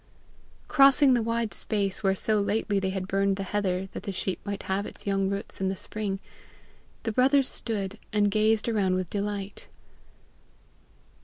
Crossing the wide space where so lately they had burned the heather that the sheep might have its young shoots in the spring, the brothers stood, and gazed around with delight.